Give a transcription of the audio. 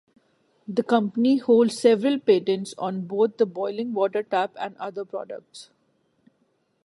The company holds several patents on both the boiling water tap and other products.